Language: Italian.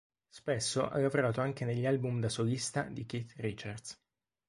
Spesso ha lavorato anche negli album da solista di Keith Richards.